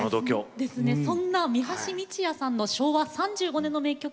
そんな三橋美智也さんの昭和３５年の名曲